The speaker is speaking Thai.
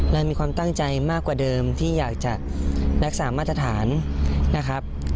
และมีความตั้งใจมากกว่าเดิมที่อยากจะรักษามาตรฐานนะครับ